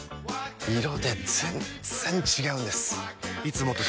色で全然違うんです！